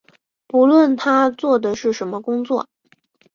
不论他做的是什么工作